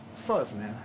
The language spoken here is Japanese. そうですね